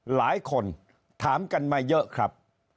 หลายคนถามกันมาเยอะครับ